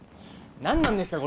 何なんですか！？